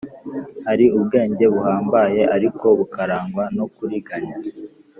Hari ubwenge buhambaye ariko bukarangwa no kuriganya,